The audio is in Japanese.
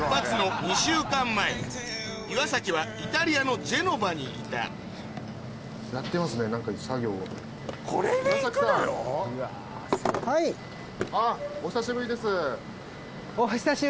岩崎はイタリアのジェノバにいたあっお久しぶりです。